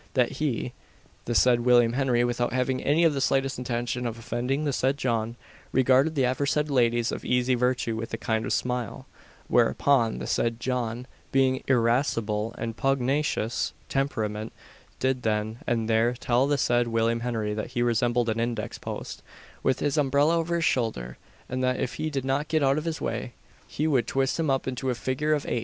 That he, the said William Henry, without having any or the slightest intention of offending the said John, regarded the aforesaid ladies of easy virtue with a kind of smile; whereupon the said John, being of irascible and pugnacious temperament, did then and there tell the said William Henry that he resembled an index post, with his umbrella over his shoulder, and that if he did not get out of his way, he would twist him up into a figure of 8!